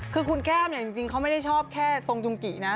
คือคุณแก้วเนี่ยจริงเขาไม่ได้ชอบแค่ทรงจุงกินะ